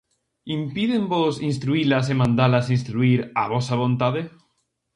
Impídenvos instruílas e mandalas instruír á vosa vontade?